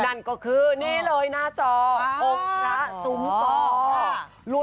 นั่นก็คือนี่เลยหน้าจออบระสุงฟอร์